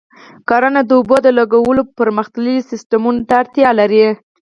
کرنه د اوبو د لګولو پرمختللي سیستمونه ته اړتیا لري.